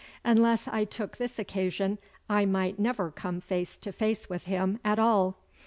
Unless I took this occasion I might never come face to face with him at all.